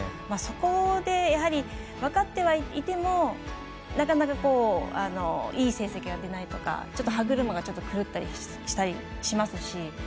そこでやはり分かってはいてもなかなか、いい成績が出ないとかちょっと歯車が狂ったりしますし。